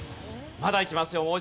まだいきますよ。